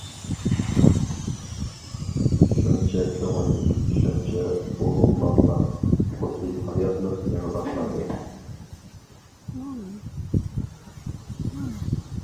شۇنچە كۆڭۈللۈك، شۇنچە ئۇلۇغلانغان، خۇددى ھاياتلىق يېڭىلانغاندەك.